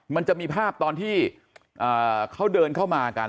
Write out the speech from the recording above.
มันจะมีภาพตอนที่เขาเดินเข้ามากัน